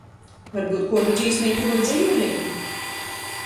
Varbyut kuodu dzīsmeiti voi dzejūleiti?